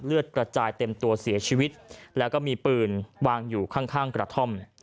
กระจายเต็มตัวเสียชีวิตแล้วก็มีปืนวางอยู่ข้างกระท่อม